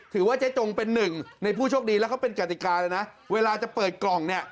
เจ๊จงเป็นหนึ่งในผู้โชคดีแล้วเขาเป็นกติกาเลยนะเวลาจะเปิดกล่องเนี่ย